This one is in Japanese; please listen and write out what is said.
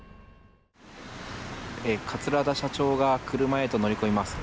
桂田社長が車へと乗り込みます。